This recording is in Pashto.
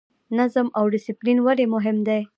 نظم او ډیسپلین ولې مهم دي؟